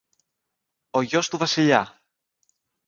Ο γιος του Βασιλιά!